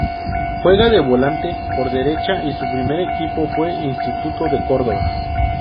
Juega de volante por derecha y su primer equipo fue Instituto de Córdoba.